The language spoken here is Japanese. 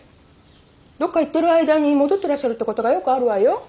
どっか行ってる間に戻ってらっしゃるってことがよくあるわよ。